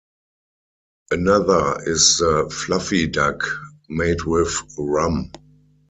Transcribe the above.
Another is the Fluffy duck, made with rum.